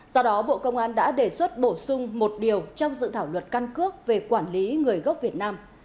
do đó bộ công an đã đề xuất bổ sung một điều trong dự thảo luật căn cước về quản lý người gốc việt nam